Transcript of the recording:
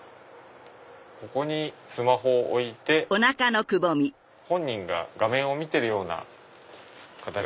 ここにスマホを置いて本人が画面を見てるような形に。